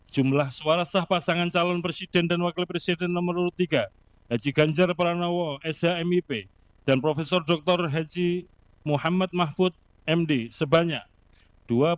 tiga jumlah suara sah pasangan calon presiden dan wakil presiden nomor urut tiga haji ganjar pranowo shmip dan prof dr haji anies rasid baswedan phd dan dr haji abdul muhyiddin iskandar sebanyak empat puluh sembilan ratus tujuh puluh satu sembilan ratus enam suara